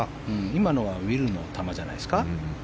今のがウィルの球じゃないですか。